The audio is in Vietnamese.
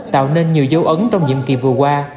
tạo nên nhiều dấu ấn trong nhiệm kỳ vừa qua